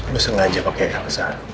lo sengaja pakai elsa